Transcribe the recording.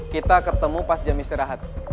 kita ketemu pas jam istirahat